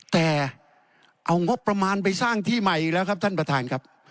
แต่เอางบประมาณไปสร้างที่ใหม่อีกแล้วครับท่านประธานครับ